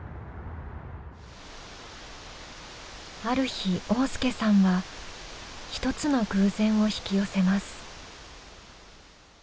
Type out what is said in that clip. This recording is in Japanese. ある日旺亮さんは一つの偶然を引き寄せます。